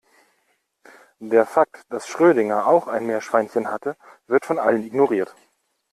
Der Fakt, dass Schrödinger auch ein Meerschweinchen hatte, wird von allen ignoriert.